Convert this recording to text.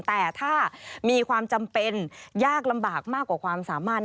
แต่ถ้ามีความจำเป็นยากลำบากมากกว่าความสามารถ